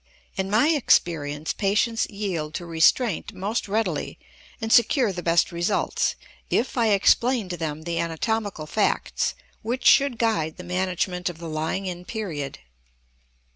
In my experience patients yield to restraint most readily, and secure the best results, if I explain to them the anatomical facts which should guide the management of the lying in period.